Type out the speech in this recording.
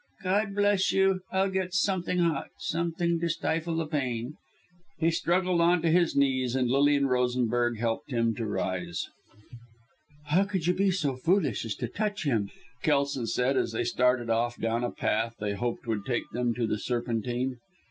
God bless you. I'll get something hot something to stifle the pain." He struggled on to his knees, and Lilian Rosenberg helped him to rise. "How could you be so foolish as to touch him," Kelson said, as they started off down a path, they hoped would take them to the Serpentine.